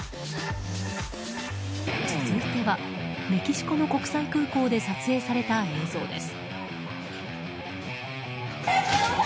続いては、メキシコの国際空港で撮影された映像です。